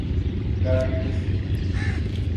Garry St.